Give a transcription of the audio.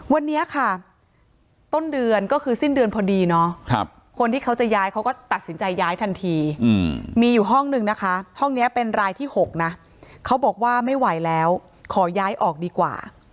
วันนี้ค่ะต้นเดือนก็คือสิ้นเดือนพอดีเนาะคนที่เขาจะย้ายเขาก็ตัดสินใจย้ายทันทีมีอยู่ห้องนึงนะคะห้องนี้เป็นรายที่๖นะเขาบอกว่าไม่ไหวแล้วขอย้ายออกดีกว่า